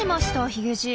ヒゲじい。